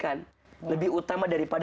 kalau kita masih hipis